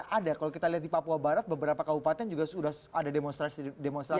karena ada kalau kita lihat di papua barat beberapa kabupaten juga sudah ada demonstrasi